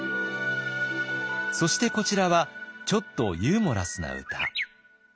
そしてこちらはちょっとユーモラスな歌。